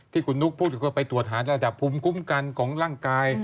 ที่คุณนุ๊กพูดก็ไปตรวจหาระดับภูมิคุ้มกันของร่างกาย